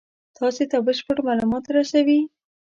تاسې ته بشپړ مالومات رسوي.